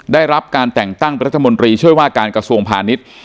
ได้รับการแต่งตั้งรัฐมนตรีช่วยว่าการกระทรวงพาณิชย์